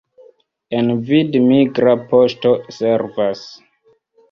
En Vid migra poŝto servas.